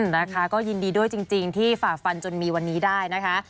นะคะก็ยินดีด้วยจริงที่ฝ่าฟันจนมีวันนี้ได้นะคะ